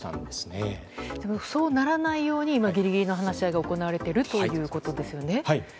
でも、そうならないように今、ギリギリの話し合いが行われているということですよね。